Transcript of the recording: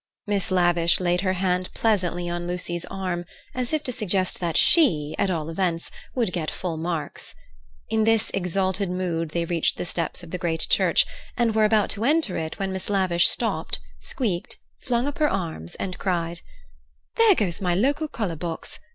Miss Lavish laid her hand pleasantly on Lucy's arm, as if to suggest that she, at all events, would get full marks. In this exalted mood they reached the steps of the great church, and were about to enter it when Miss Lavish stopped, squeaked, flung up her arms, and cried: "There goes my local colour box!